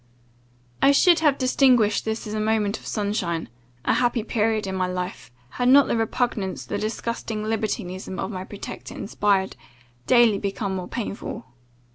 "I should have distinguished this as a moment of sunshine, a happy period in my life, had not the repugnance the disgusting libertinism of my protector inspired, daily become more painful.